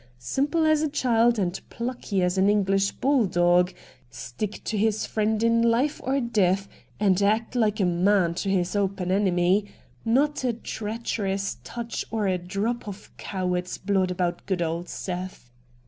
Simple as a child, and plucky as an Encflish bull doof — stick to his friend in life or death, and act like a man to his open enemy — not a treacherous touch or a drop of coward's blood about good old Seth.'